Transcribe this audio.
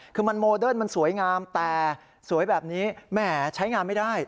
คือมันโมเดิร์นมันสวยงามแต่สวยแบบนี้แหมใช้งานไม่ได้